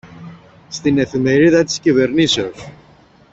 στην Εφημερίδα της Κυβερνήσεως